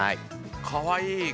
かわいい。